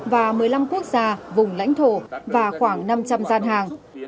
và một mươi năm quốc gia vùng lãnh thổ và khoảng năm trăm linh gian hàng